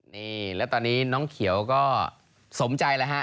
นี่แล้วตอนนี้น้องเขียวก็สมใจแล้วฮะ